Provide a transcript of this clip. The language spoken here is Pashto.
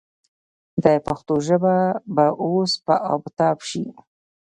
د پښتو ژبه به اوس په آب و تاب شي.